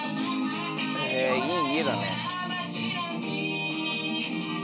へぇいい家だね。